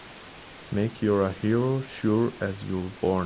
Make you're a hero sure as you're born!